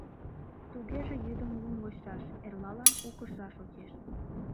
Тугеже йӱдым лум вочшаш — эрлалан у кыша шочеш.